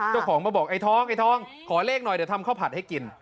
เจ้าของมาบอกไอ้ทองไอ้ทองขอเลขหน่อยเดี๋ยวทำข้าวผัดให้กิน